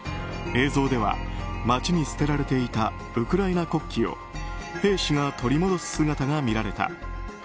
映像では、街に捨てられていたウクライナ国旗を兵士が取り戻す姿が見られた。